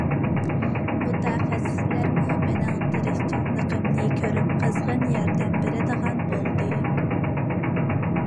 مۇتەخەسسىسلەرمۇ مېنىڭ تىرىشچانلىقىمنى كۆرۈپ، قىزغىن ياردەم بېرىدىغان بولدى.